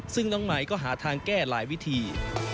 ซึ่งน้องไหมก็หาทางแก้หลายวิธี